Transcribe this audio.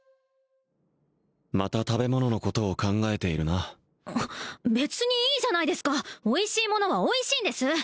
また食べ物のことを考えているな別にいいじゃないですかおいしいものはおいしいんです！